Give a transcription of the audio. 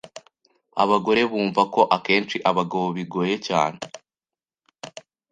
Abagore bumva ko akenshi abagabo bigoye cyane